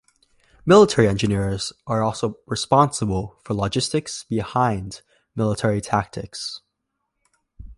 Military engineers are also responsible for logistics behind military tactics.